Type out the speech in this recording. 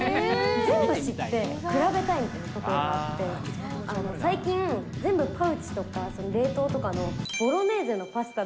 全部知って比べたいというのがあって、最近、全部パウチとか冷凍とかのボロネーゼのパスタを。